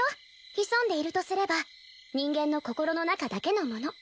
潜んでいるとすれば人間の心の中だけのもの